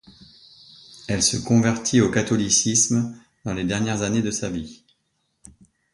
Elle se convertit au catholicisme dans les dernières années de sa vie.